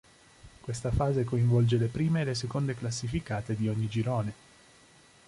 Questa fase coinvolge le prime e le seconde classificate di ogni girone.